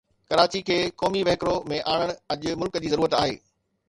ڪراچي کي قومي وهڪرو ۾ آڻڻ اڄ ملڪ جي ضرورت آهي.